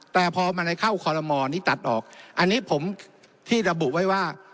แต่พอมันเคล้านะทัดออกอันนี้ผมที่ระบุไว้ว่า